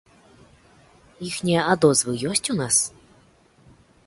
Іхнія адозвы ёсць у нас?